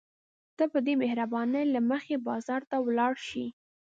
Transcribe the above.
ته به د مهربانۍ له مخې بازار ته ولاړ شې.